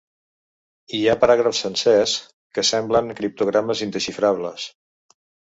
Hi ha paràgrafs sencers que semblen criptogrames indexifrables.